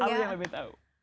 allah yang lebih tahu